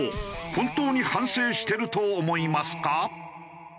本当に反省してると思いますか？